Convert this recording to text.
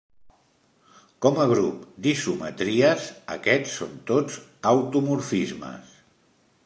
Com a grup d'isometries, aquests són tots automorfismes.